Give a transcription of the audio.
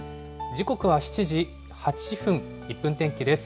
時刻は７時８分、１分天気です。